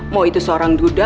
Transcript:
mau itu seorang duda